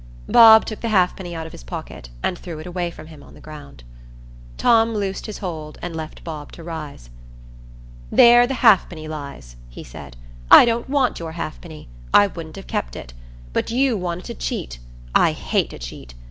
Bob took the halfpenny out of his pocket, and threw it away from him on the ground. Tom loosed his hold, and left Bob to rise. "There the halfpenny lies," he said. "I don't want your halfpenny; I wouldn't have kept it. But you wanted to cheat; I hate a cheat.